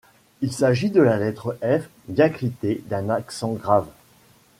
Il s’agit de la lettre F diacritée d'un accent grave.